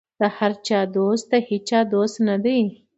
د هر چا دوست د هېچا دوست نه دی.